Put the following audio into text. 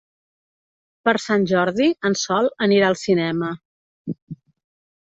Per Sant Jordi en Sol anirà al cinema.